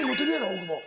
大久保。